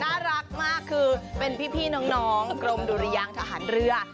น่ารักมากคือเป็นพี่น้องกรมดุรยางทหารเรือ